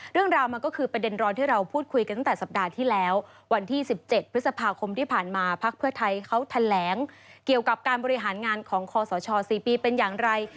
เรื่องราวมันก็คือประเด็นร้อนที่เราพูดคุยกันตั้งแต่สัปดาห์ที่แล้ววันที่๑๗พฤษภาคมที่ผ่านมาพักเพื่อไทยเขาแถลงเกี่ยวกับการบริหารงานของคอสช๔ปีเป็นอย่างไร